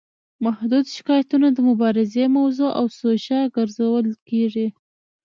محدود شکایتونه د مبارزې موضوع او سوژه ګرځول کیږي.